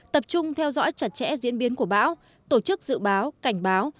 tập trung theo dõi chặt chẽ diễn biến của bão tổ chức dự báo cảnh báo